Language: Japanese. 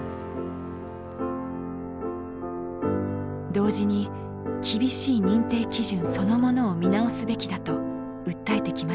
同時に厳しい認定基準そのものを見直すべきだと訴えてきました。